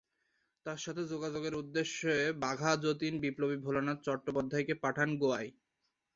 তার সাথে যোগাযোগের উদ্দেশ্যে বাঘা যতীন বিপ্লবী ভোলানাথ চট্টোপাধ্যায় কে পাঠান গোয়ায়।